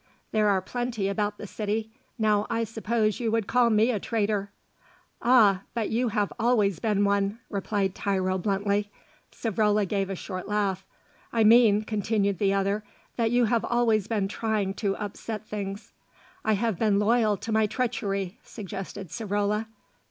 "There are plenty about the city. Now I suppose you would call me a traitor." "Ah! but you have always been one," replied Tiro bluntly. Savrola gave a short laugh. "I mean," continued the other, "that you have always been trying to upset things." "I have been loyal to my treachery," suggested Savrola.